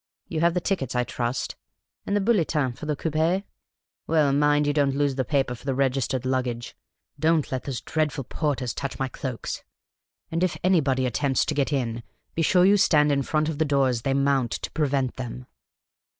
You have the tickets, I trust? And the bulletin for the coupi? Well, mind you The Cantankcfous Old Lady 25 don't lose the paper for the registered higgage. Don't let those dreadful porters touch my cloaks. And if anybody attempts to get in, be sure you stand in front of the door as they mount to prevent them."